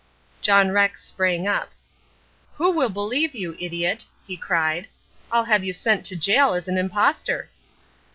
John Rex sprang up. "Who will believe you, idiot?" he cried. "I'll have you sent to gaol as an impostor."